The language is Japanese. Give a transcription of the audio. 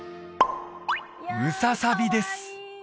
ムササビです